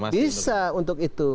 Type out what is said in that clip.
bisa untuk itu